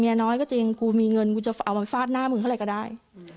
น้อยก็จริงกูมีเงินกูจะเอามาฟาดหน้ามึงเท่าไหร่ก็ได้